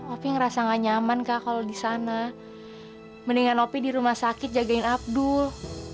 opi ngerasa gak nyaman kak kalau di sana mendingan opi di rumah sakit jagain abdul